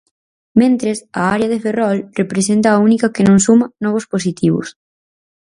Mentres, a área de Ferrol representa a única que non suma novos positivos.